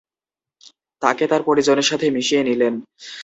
তাকে তার পরিজনের সাথে মিশিয়ে নিলেন।